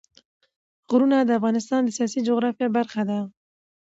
غرونه د افغانستان د سیاسي جغرافیه برخه ده.